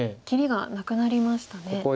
切りがなくなりましたね。